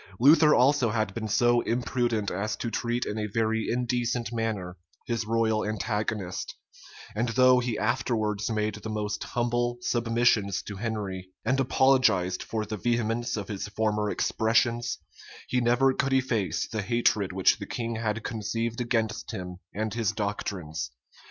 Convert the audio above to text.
Luther also had been so imprudent as to treat in a very indecent manner his royal antagonist; and though he afterwards made the most humble submissions to Henry, and apologized for the vehemence of his former expressions, he never could efface the hatred which the king had conceived against him and his doctrines.